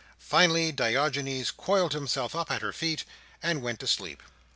Finally, Diogenes coiled himself up at her feet and went to sleep.